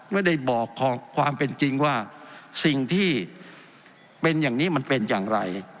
ไม่ได้บอกความเป็นจริงว่าสิ่งที่เป็นอย่างนี้มันเป็นอย่างไร